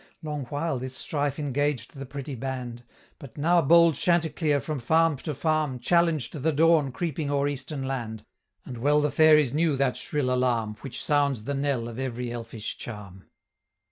Long while this strife engaged the pretty band; But now bold Chanticleer, from farm to farm, Challenged the dawn creeping o'er eastern land, And well the fairies knew that shrill alarm, Which sounds the knell of every elfish charm.